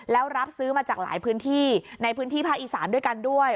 แล้วรับซื้อมาจากหลายพื้นที่ในพื้นที่ภาคอีสานด้วยกันด้วย